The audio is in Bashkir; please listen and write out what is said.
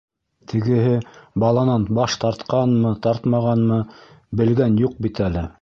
Тегеһе баланан баш тартҡанмы, тартмағанмы белгән юҡ бит әле.